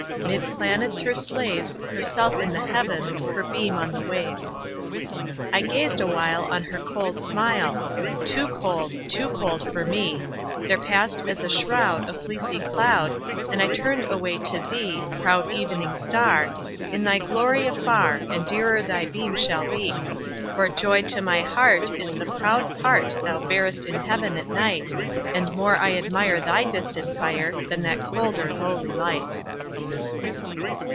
'Mid planets her slaves, Herself in the Heavens, Her beam on the waves. I gazed awhile On her cold smile; Too cold—too cold for me— There passed, as a shroud, A fleecy cloud, And I turned away to thee, Proud Evening Star, In thy glory afar And dearer thy beam shall be; For joy to my heart Is the proud part Thou bearest in Heaven at night, And more I admire Thy distant fire, Than that colder, lowly light.